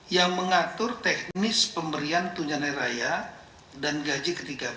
yang mengatur teknis pemberian tunjangan raya dan gaji ke tiga belas